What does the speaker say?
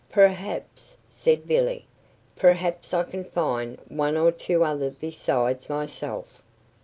"Perhaps" said Billy "perhaps I can find one or two others besides myself."